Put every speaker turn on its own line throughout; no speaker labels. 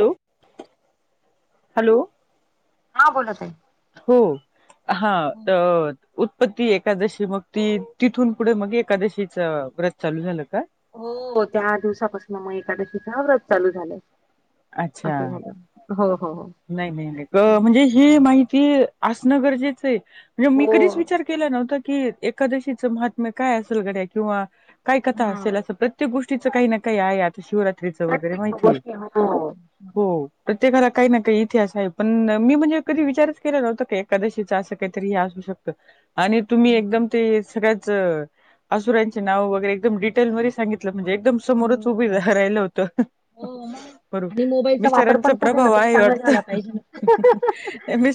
Hello hello!
हा बोला ताई.
हो हा तर. उत्पत्ती एकादशी मग ती तिथून पुढे मग एकादशीच व्रत चालू झालं का?
हो त्या दिवसापासून मग एकादशीचा व्रत चालू झालंय असं झालं. हो हो हो
नाय नाय गं ही माहिती असणं गरजेचं हाय म्हणजे मी
हो
कधीच विचार केला नव्हता की एकादशीचं महात्म्य काय असेल गड्या किंवा काय कथा
हा
असेल असं. प्रत्येक गोष्टीच काही ना काही आहे, आता शिवरात्रीच वगैरे
प्रत्येक
माहितीये
गोष्टी हो. हो
हो प्रत्येक घरात काही ना काही इतिहास आहे पण मी म्हणजे कधी विचारच केला नव्हत की एकादशीच असं काहीतरी हे असू शकत. आणि तुम्ही एकदम ते सगळ्यांत. चं असुरांची नावं वगैरे एकदम डिटेल मधे सांगितलं म्हणजे एकदम समोरच उभी
हो
राहील होत,
मग
वरून
आणि मोबाईलचा वापर
बिचाऱ्यांचं
पण कुठे ना
हो
तरी
आहे
चांगला झाला
वाटतं.
पाहिजे.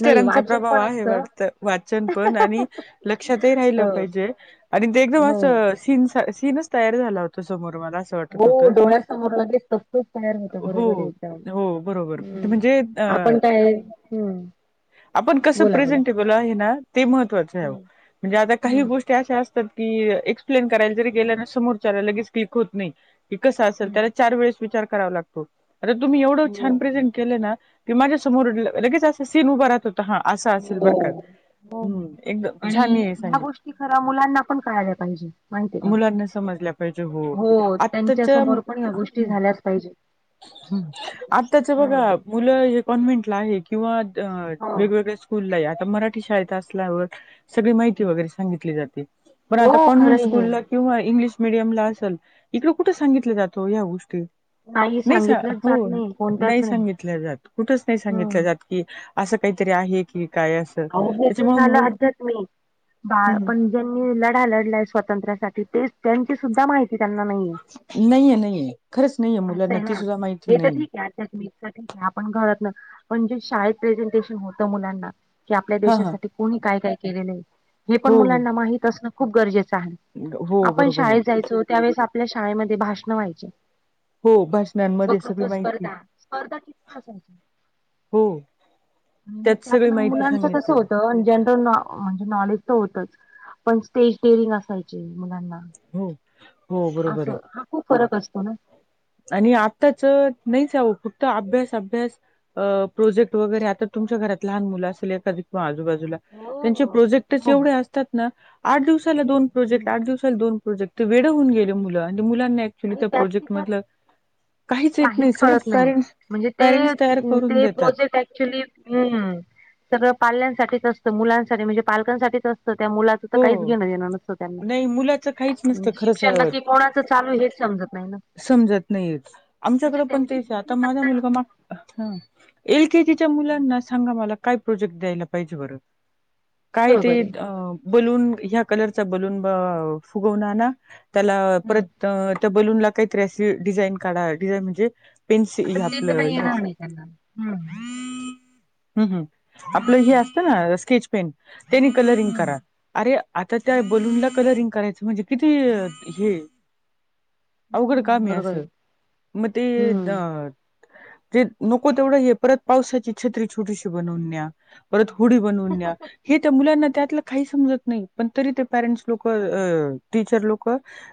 नाही वाचन
प्रभाव
पण
आहे
असतं
वाटत. वाचन पण आणि लक्षातही
अ
राहिलं पाहिजे आणि ते एकदम
हो
अस सीन् सीनच तयार झाला होता समोरून असा.
हो डोळ्यासमोर लगेच तसंच तयार होत
हो
बरोबर एकदम.
हो बरोबर
हम्
म्हणजे अ
आपण काय हम्म,
आपण कसं
बोला बोला.
प्रेझेंटेबल आहे आहे ना, ते महत्वाचं आहे ओ
हम्म
म्हणजे आता काही
हम्म
गोष्टी. त्या अशा असतात की ऐक्सप्लेन करायला जरी गेलना तरी समोरच्याला लगेच क्लीक होत नाही. की कसं असेल
हम्म
त्याला चार वेळेस विचार करावा लागतो. आता तुम्ही एवढं
हो
छान प्रेझेंट केलं ना की माझ्या समोर लगेच असं सीन उभा राहतो. हा असं असेल बरका
हो. हो ना.
हम्म एकद
आणि
छान आहे
ह्या
संगीत.
गोष्टी खरा मुलांना पण कळायला पाहिजे माहितीय का?
मुलांना समजल्या पाहिजे हो
त्यांच्या
आत्ताच्या
समोर पण ह्या गोष्टी झाल्याच पाहिजे.
ह आताच्या बघा
हम्म.
मुलं हे कॉन्व्हेंटला आहे किंवा
हो
वेगवेगळ्या स्कूलला आहे आता मराठी शाळेत असं लावत सगळी माहिती वगैरे सांगितली जाते पण आता
हो
कॉन्व्हेंट
खरंय हे
स्कुलला किंवा इंग्लिश मिडियम ला असल इकड कुठे सांगितलं जातो ह्या गोष्टी? नाही सा
सांगितलंच
हो
जात नाही कोणत्याच
नाही सांगितल्या जात कुठच नाही सांगितलं
हम्म.
जात की असं काहीतरी आहे की काय असं
अहो हे तर
त्याच्यामुळे
झालं
मुल
अध्यात्मी
हं,
बाळ
हं.
पण ज्यांनी लढा लढलाय स्वातंत्र्यासाठी तेच त्यांची सुद्धा माहिती त्यांना नाहीये.
नहीये नहीये खरंच नहीये मुलांना ती सुद्धा माहिती नहीये.
त्यातच मी आपण घरात न पण जे शाळेत प्रेझेंटेशन होत मुलांना कि आपल्या
हा हा
देशासाठी कोणी काय काय केलेलंय हे पण
हो हो
मुलांना माहीत असणं खूप गरजेचं आहे.
हो
आपण
बरोबर आहे
शाळेत जायचो त्यावेेळेस आपल्या शाळेमध्ये भाषणं व्हायची.
हो भाषणांमध्ये सगळी
वकृत्व
माहिती
स्पर्धा, स्पर्धा किती असायच्या?
हो
आणि मग त्यात
सगळी
न
माहिती
मुलांच कसं
सांगितली
होतं जनरल नॉ म्हणजे नॉलेज तर होतच पण स्टेज डेरींग असायची मुलांना.
हो. हो बरोबर आहे
असं हा खूप फरक असतो ना.
आणि आत्ताच नाहीच आवं कुठ अभ्यास अभ्यास अ प्रोजेक्ट वगैरे आता तुमच्या घरात लहान मुलं असेल एखादी किवा आजूबाजूला
हो
त्यांचे
हो
प्रोजेक्टच
हो
एवढे असतात ना आठ दिवसाला दोन प्रोजेक्ट,
हम्म.
आठ दिवसाला ला दोन प्रोजेक्ट ते वेड होऊन गेले मुलं आणि मुलांना ऍक्च्युली
आणि
त्या
त्यात
प्रोजेक्ट
त्यात
मधलं येत नाही
काहीच
सगळं
कळत नाही
पॅरेंट्स
म्हणजे ते
पॅरेंट्स तयार करून
ते
देतात
प्रोजेक्ट ऍक्च्युली हम्म सगळं पाल्यांसाठीच असतं मुलांसाठी म्हणजे पालकांसाठीच असतं त्या मुला त्याच
हो
काहीच घेण देण नसत त्यांना
नाही मुलाचं काहीच नसतं
म्ह शिक्षण
खरंच
नक्की कोणा च चालू हेच समजत नाही ना.
समजत नाहीेयेत
म्हणजे
आमच्याकडे पण
त्यांची
तेच आता माझा
बुद्धिमत्ता
मुलगा माग एल केजीच्या मुलांना सांगा मला काय प्रोजेक्ट द्यायला पाहिजे बरं? काय
बरोबर
ते
आहे
बलून ह्या कलरचा बलून अ फुगऊन आना त्याला परत
हम्म
त्या बलूनला काहीतरी अशी डिझाईन काढा डिझाईन म्हणजे
आता
पेन्सि
ते तर
आपलं
काही
ह्याच
येणार नाही त्यांना हम्म
हम्म हम्म आपलं हे असतं ना स्केच पेन त्यांनी कलरिंग
हम्म
करा अरे आता त्या बलून ला कलरिंग करायचं म्हणजे किती हेय अवघड
हम्म
काम आहे
बरोबर
असं मग ते
हम्म
अ तेे नको तेवढा हे परत पावसाची छत्री छोटीशी बनवून न्या परत होडी बनवून न्या हे त्या मुलांना त्यातलं काही समजत नाही पण तरी ते पेरेंट्स लोकं अ टीचर लोक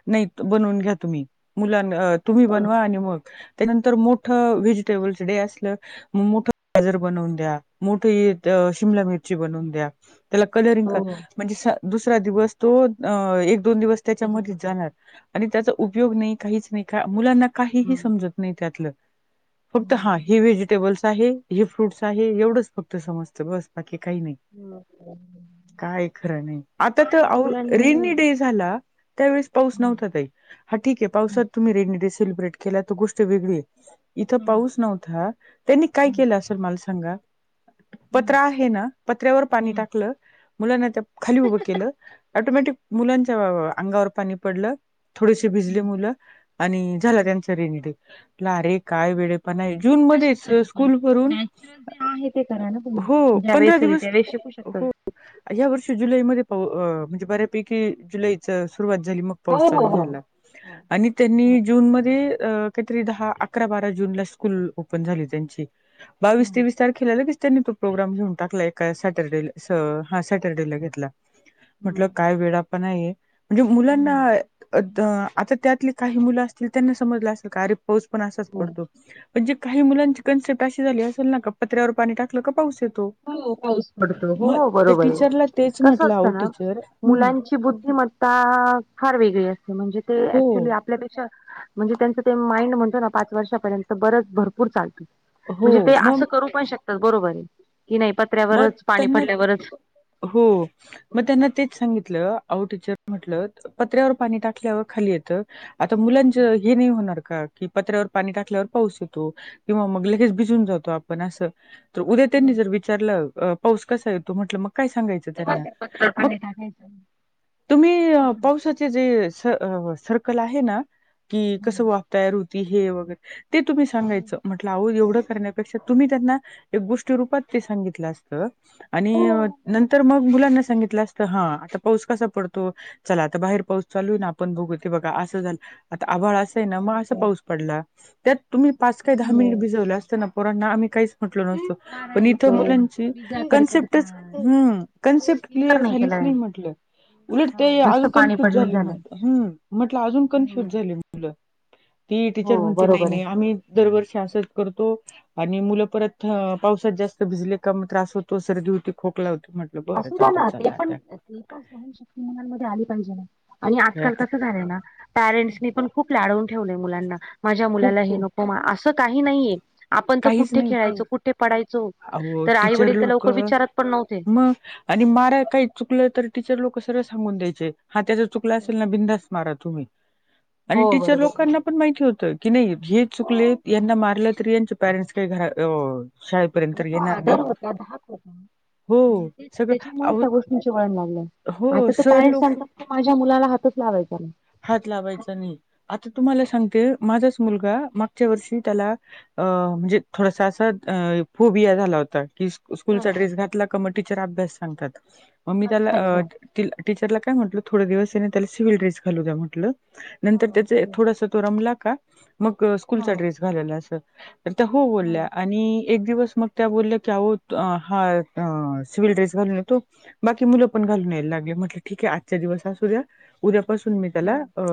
नाही बनवून घ्या तुम्ही मुलांन तुम्ही
हो
बनवा आणि मग त्यानंतर मोठ व्हेजिटेबल्स डे असल्यावर मग मोठं गाजर बनवून द्या, मोठ हे अ शिमला मिरची बनवून द्या. त्याला कलरिंग कर
हो
म्हणजे दुसरा दिवस तो एक दोन दिवस
त्याच्यातच
त्याच्यामध्येच
जात
जाणार आणि त्याचा उपयोग नाही, काहीच नाही, का मुलांना काहीही
हम्म
समजत नाही त्यातलं, फक्त हा
हम्म
हे व्हेजिटेबल्स आहे हे फ्रूटस हा हे एवढंच फक्त समजत बस बाकी काही नाही. काय खरं नाही.
ते
आता
काय
तर
आहे
अहो
मुलांना
रेनी
हम्म
[unintelligible] झाला त्यावेळेस पाऊस नव्हता
हम्म
काही. हा ठीके पावसात तुम्ही रेनी डे सेलिब्रेट केला तर गोष्ट वेगळी आहे इथं
हं,
पाऊस नव्हता. त्यांनी काय
हं,
केलं असेल मला सांगा,
हं,
पत्रा आहे ना पत्र्यावर पाणी
हं,
टाकलं मुलांना त्या खाली उभं केलं, ऑटोमॅटिक मुलांच्या अंगावर पाणी पडलं. ती भिजली
हं,
मुलं आणि झाला
हं.
त्यांचा रेनी डे अरे काय वेडेपणा. आहे जून मध्येच
कशासाठी पण
स्कूल भरून
नॅचरल जे आहे ते करा ना तुम्ही.
हो पंधरा
ज्यावेेळेस होई
दिवस
त्यावेळेस होऊ शकतात.
हो या वर्षी जुलैमध्ये पाऊ म्हणजे बऱ्यापैकी जुलैची सुरुवात झाली मग.
हो,
पाऊस
हो,
चालू
हो,
झाला
हो,
आणि त्यांनी
हो.
ज्यो जुन मध्ये अ काहीतरी दहा अकरा बारा जूनला स्कूल ओपन झाली त्यांची, बावीस
हं,
तेवीस तारखेला लगेच त्यांनी तो प्रोग्राम घेऊन टाकला. एका सॅटरडे हा सॅटरडेला घेतला. म्हटलं
हं,
काय वेडापणा आहे. म्हणजे मुलांना
हं.
तर आता त्यातले काही मुलं असतील त्यांना समजलं असेल का अरे पाऊस पण असाच
हो,
पडतो. म्हणजे काही मुलांची कन्सेप्ट अशी झाली असेल ना का पत्र्यावर पाणी टाकलं का पाऊस येतो.
हो पाऊस पडतो.
मग
हो
त्या
बरोबर
टीचरला तेच
कसं
म्हटलं अहो
असतं ना
टीचर हम्म.
मुलांची बुद्धिमत्ता फार वेगळी असते, म्हणजे ते
हो,
ऍक्च्युली ‌ आपल्यापेक्षा म्हणजे त्यांचं ते माइंड म्हणतो ना पाच वर्षापर्यंत बरच भरपूर चालतो. म्हणजे
हो
ते
मग
असं करू पण शकतात. बरोबर आहे की नाही.
मग
पत्र्यावरच पाणी
त्यांना
पडल्यावरच
हो मग त्यांना तेच सांगितलं आहो टीचर म्हटलं पत्र्यावर पाणी टाकल्यावर खाली येतं. आता मुलांच हे नाही होणार का? कि पत्र्यावर पाणी टाकल्यावर पाऊस येतो किंवा मग लगेच भिजून जातो आपण असं. तर उद्या
हं,
त्यांनी जर विचारला पाऊस कसा येतो म्हटलं मग काय सांगायचं.
पत्र
मग
पाणी टाकायचं
तुम्ही पावसात. जी सर्कल आहे ना, की कस
हम्म.
वाफ तयार होती हे वगैरे ते तुम्ही सांगायचं म्हटलं आहो एवढं करण्यापेक्षा तुम्ही त्यांना एक गोष्टी रूपात ते सांगितलं असतं. आणि
हो
नंतर मग मुलांना सांगितलं असतं हा, आता पाऊस कसा पडतो. चला आता बाहेर पाऊस चालू आहे ना, आपण बघू ते बघा असं झालं आता आभळ मग असा पाऊस पडला त्यात तुम्ही पाच काय दहा मिनिट भिजवलं असताना, पोरांना आम्ही काहीच म्हटलो नसतो.
वारा
पण इथं
येतो
मुलांची
विजा
कन्सेप्टच
कडकडतात
ह कन्सेप्ट क्लिअर झालीच नाही म्हटलं. उलट ते
नुसतं
अजून
पाणी
कन्फ्युज
पडण
झाले,
झालंय
हम्म म्हटलं अजून कन्फ्युज झाले म्हटलं. ती
हो
टीचर म्हणते नाही
बरोबर आहे.
नाही आम्ही. दरवर्षी असच करतो आणि मुलं परत पावसात जास्त ते भिजले का मग त्रास होतो. सर्दी होते खोकला होतो मग
असू दे ना ते पण ती सहशक्ती मुलांमध्ये आली पाहिजे ना. आणि
तर
आजकाल
आता
कसं झालंय ना पेरेंट्स ने पण खूप लाडवून ठेवले मुलांना. माझ्या मुलाला
खूप
हे
खूप
नको, असं काही नाहीये‌. आपण तर
काहीच
कुठे
नाही ब-
खेळायचं कुठे पडायचं
अहो
तर आई
टीचर
वडील तर
लोक
लवकर विचारत पण नव्हते.
मग आणि मारा आहे काही चुकलं तर तिचे लोक सरळ सांगून द्यायचे हा त्याचं चुकलं तर बिनधास्त मारा तुम्ही, आणि
हो
टीचर
बरोबर आहे
लोकांना पण माहिती होतं, की नाही हे चुकले यांना मारलं तरी त्यांचे पेरेंट्स काय घरात अ शाळेत
[unintelligible] तेच
हो, सगळं
त्याच्यामुळे
अहो
त्या गोष्टींचं वळण लागलंय
हो
आता तर
सर
काय
लोक
सांगतात की नाही माझ्या मुलाला हातच लावायचा नाय.
हात लावायचा नाही आता तुम्हाला सांगते माझाच मुलगा मागच्या वर्षी त्याला अ म्हणजे थोडसं असं अ फोबिया झाला होता की
हा
स्कूलचा
हा.
ड्रेस घातला का म टीचर अभ्यास सांगतात मग मी त्याला
अच्छा. अच्छा
अ टी तिल टीचरला काय म्हटलं थोडे दिवस ह्याने त्याला सिबिल ड्रेस घालू द्या म्हटलं नंतर
हा
त्याचे
तेच.
थोडसं तो रमला का मग
हा
स्कूलचा
हा
ड्रेस घालेल असं तर त्या हो
हा
बोलल्या. आणि एक दिवस मग त्या बोलल्या की आहो तो हा अ सिबिल ड्रेस घालून येतो बाकी मुलं पण घालून यायला लागली म्हटलं ठीक आहे आजचा दिवस असू द्या उद्या पासून मी त्याला
हम्म.
अ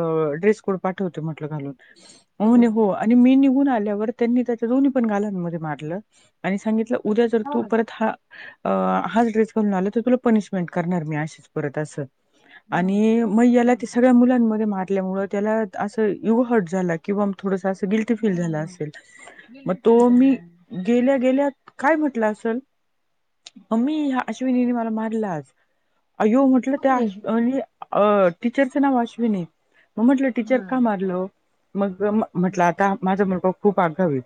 ड्रेस कोड पाठवतो म्हटलं घालून ओ म्हणे हो आणि मी निघून आल्यावर त्यांनी त्याच्या दोन्हीपण गालां मध्ये मारलं आणि सांगितलं उद्या जर
हा.
तू परत हा अ हाच ड्रेस घालून तर तुला पनिशमेंट करणार मी अशीच परत असं.
हा
आणि म याला
हा
त्या मुलांमध्ये मारल्यामुळे त्याला असं इगो हर्ट झाला किंवा मग थोडसं गिल्ट टी फील झालं असेल म तो
केलं होतं
मी
मुलांनी.
गेल्या गेल्या काय म्हटला असेल मम्मी ह्या अश्विनीने मला मारलं आज अइयो म्हटलं त्या
बापरे!
अले अ टीचरचा नाव अश्विनी मग म्हटलं टीचर का मारलं मग म म्हटलं आ का माझा मुलगा खूप आगाव आहे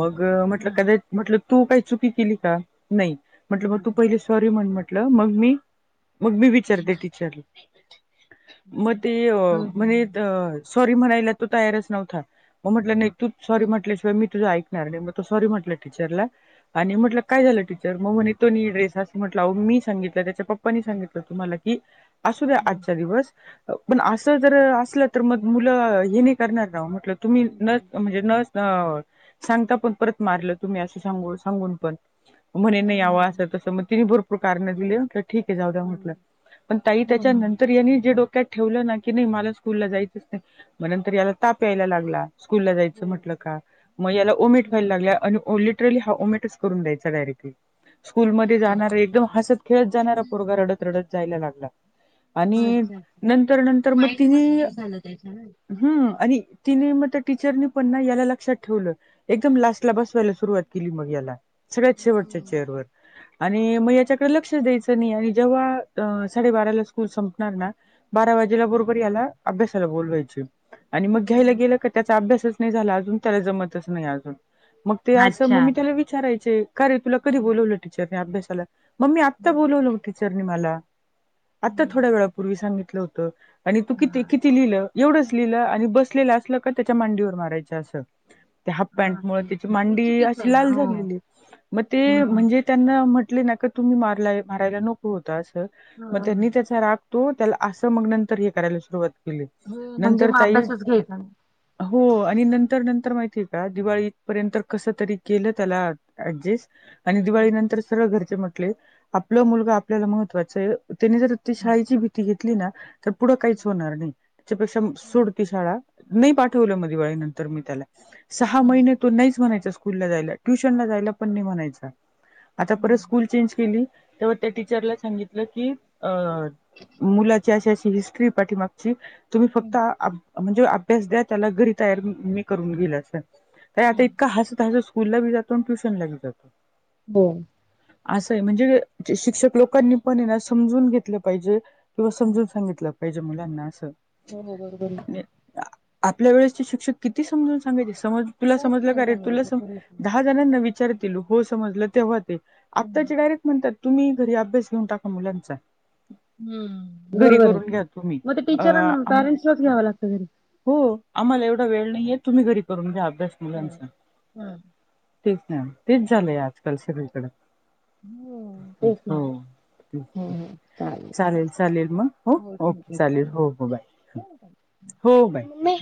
मग
हा
म्हटलं [unintelligible] म्हटलं तू काही चुकी केली का नाही म्हटलं मग
हा.
तू पहिली सॉरी म्हण म्हटलं मग मी मग मी विचारते टीचरला. म ती अ
हो हो
म्हणे
हो.
तर सॉरी म्हणायला तो तयारच नव्हता म म्हटलं नाही तूच सॉरी
हम्म.
म्हटल्याशिवाय मी तुझं ऐकणार नाही म तो सॉरी म्हटला टीचरला आणि म्हटलं काय झालं टीचर मग म्हणे तो नी ड्रेस असं म्हटलं हो मी सांगितलं त्याच्या पप पाने हे सांगितलं तुम्हाला की असू द्या
हम्म.
आजच्या दिवस पण असं जर असलं तर मग मुलं हे नाही करणार काय हो म्हटलं तुम्ही
हम्म
नथ म्हणजे नस अ हो सांगता पण परत मारलं तुम्ही असं सांगून-सांगून पण म्हणे नाय आव
हम्म.
असं तसं म तिने भरपूर कारणे दिलेय क ठीक आहे जाऊ द्या म्हटलं
हम्म.
पण ताई
हम्म हम्म.
त्याच्यानं
हम्म
तर याने जे डोक्यात ठेवलं नाही की मला स्कूल ला जायचं नाही म नंतर याला ताप यायला लागला स्कूल ला जायचं
हो.
म्हटलं का मग याला ओमिट व्हाय
हम्म.
लागल्या आणि ओलीट लिटरली हा ओमेटच करून द्यायचा डायरेक्टली स्कूलमध्ये
अरे बापरे!
जाणारे एकदम हसत खेळत जाणारा पोरगा रडत-रडत जायला लागला. आणि
अच्छा
नंतर
ते माहीला पण [unintelligible] आला त्याच्यानं.
हां आणि तिने मग त्या टीचर ने पण ना याला लक्षात ठेवलं. एकदम लास्टला बसवायला सुरुवात केली मग याला सगळ्यात शेवटच्या
हम्म.
चेअरवर. आणि म याच्याकडे लक्षच द्यायचं नाही आणि जेव्हा अ साडे बाराला स्कूल संपणार ना बारा वाजेला बरोबर याला अभ्यासाला बोलवायचा आणि मग घ्यायला
हम्म
गेलं क त्याचा अभ्यासच नाही झाला अजून त्याला जमतच नाही अजून मग ते असं
अच्छा.
मग मी त्याला विचारायचे का रे तुला कधी
हम्म.
बोलवलं टीचरने अभ्यासाला मम्मी आत्ता
हम्म.
बोलवलो टीचरने मला आता
हम्म
थोड्या वेळापूर्वी सांगितलं होतं आणि तू
हा.
किती किती लिहिलं एवढंच लिहिलं आणि बसलेलं असलं का त्याच्या मांडीवर मारायचं असं त्या हाफ पॅन्ट
हा
मुळ
नाही
तीची
मग हे
मांडी
चुकीचं आहे
अशी
ना
लाल
हो
झालेली, मग ते
हम्म
म्हणजे त्यांना म्हटले ना का तुम्ही मारला मारायला नको होत अस
हम्म
त्यांनी त्याचा राग तो त्याला असं मग नंतर हे करायला सुरुवात
हो म्हणजे
नंतर
मग
ताई
अभ्यासच घ्यायचा नाही.
हो आणि नंतर नंतर माहितीय का दिवाळी पर्यंत कस तरी केलं त्याला ऍडजेस्ट, आणि दिवाळी
हम्म
नंतर सरळ घरचे म्हटले आपलं मुलग आपल्याला महत्त्वाच त्यांनी जर ती शाळेची भीती घेतली ना पुढं काहीच होणार नाही त्याच्या पेक्षा
हम्म
सोड ती शाळा, नाही पाठवलं मग दिवाळी नंतर मी त्याला, सहा महिने तो नहीच म्हणायचा स्कूलला जायला, ट्युशन ला जायला पण नाही म्हणायचा. आता परत
हम्म.
स्कूल चेंज केली, तेव्हा त्या टीचरला सांगितलं की अ मुला अशी अशी हिस्ट्री ये पाठीमागची, तुम्ही फक्त
हम्म.
आ म्हणजे अभ्यास द्या त्याला घरी तयार मी करून घेईल अस, ताई आता
हम्म.
इतका हसत हसत स्कूलला बी जातो आणि ट्युशन ला बी जातो.
हो.
आस ये, म्हणजे शिक्षक लोकांनी पण हेना समजून घेतलं पाहिजे किंवा समजून सांगितलं पाहिजे मुलांना असं.
हो बरोबर बरोबर.
आपल्या वेळेसचे शिक्षक किती समजून सांगायचे समज तुला
खूप
समजलं
छान
का रे तुल
सांगायचं
सम
खरंच आहे.
दहा जणांना विचार तील हो समजलं तेव्हा ते आत्ता
हम्म
चे डायरेक्ट म्हणतात तुम्ही घरी अभ्यास घेऊन टाका मुलांचा.
हम्
घरी
बरोबर ये,
करून घ्या तुम्ही
मग ते
अ
टीचरांना
आम
पॅरेंसलाच घ्याव लागत घरी.
हो आम्हाला एवढा वेळ नाहीये तुम्ही घरी करून घ्या अभ्यास
हम्म
मुलांचा. तेच ना, तेच झालंय
हम्म.
आजकाल सगळीकड
बरोबर आहे. हम्म. तेच ना
हो.
हो हो
चालेल चालेल म हो ओके चालेल हो हो बाय.
[inaudible]
हो बाय.